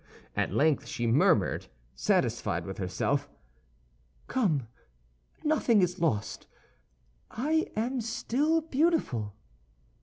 At length she murmured, satisfied with herself, "Come, nothing is lost; I am still beautiful."